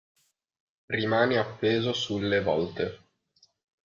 Rimane appeso sulle volte.